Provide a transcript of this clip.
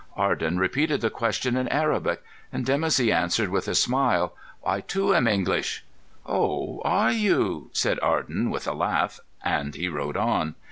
Arden repeated the question in Arabic; and Dimoussi answered with a smile: "I, too, am English." "Oh! are you?" said Arden, with a laugh; and he rode on.